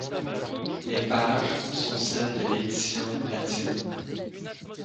Les pages sont celles de l'édition latine.